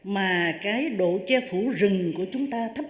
mà cái độ che phủ rừng của chúng ta thấp